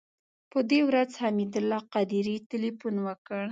په دې ورځ حمید الله قادري تیلفون وکړ.